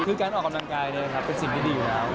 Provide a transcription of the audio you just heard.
คือการออกกำลังกายเป็นสิ่งที่ดีอยู่แล้ว